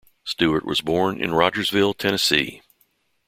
Stewart was born in Rogersville, Tennessee.